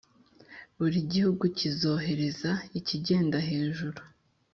Buri gihugu kizohereza ikigendajuru